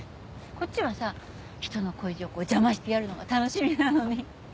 こっちはさ人の恋路をこう邪魔してやるのが楽しみなのに。